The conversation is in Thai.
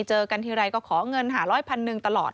เจอกันทีไรก็ขอเงินหาร้อยพันหนึ่งตลอด